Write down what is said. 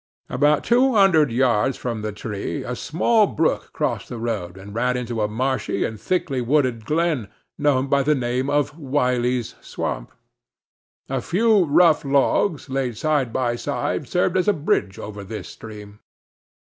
About two hundred yards from the tree, a small brook crossed the road, and ran into a marshy and thickly wooded glen, known by the name of Wiley's Swamp. A few rough logs, laid side by side, served for a bridge over this stream.